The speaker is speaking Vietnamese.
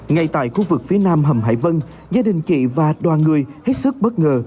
ngay tại khu vực phía nam hầm hải vân gia đình chị và đoàn người hết sức bất ngờ